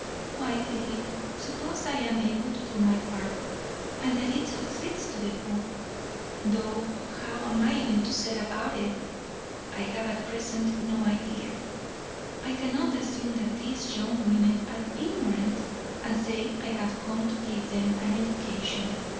Why, Philip, suppose I am able to do my part, and that it succeeds to the full; though how I am even to set about it I have at present no idea; I cannot assume that these young women are ignorant, and say I have come to give them an education!